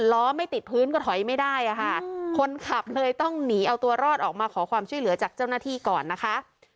ล้อไม่ติดพื้นก็ถอยไม่ได้อะค่ะคนขับเลยต้องหนีเอาตัวรอดออกมาขอความช่วยเหลือจากเจ้าหน้าที่ก่อนนะคะ